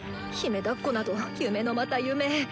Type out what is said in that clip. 姫だっこなど夢のまた夢！